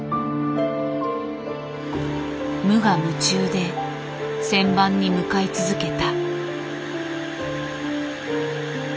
無我夢中で旋盤に向かい続けた。